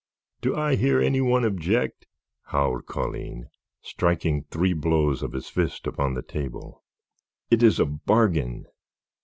"Do I hear any one object?" howled Colline, striking three blows of his fist upon the table. "It is a bargain."